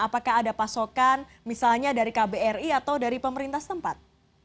apakah ada pasokan misalnya dari kbri atau dari pemerintah tempat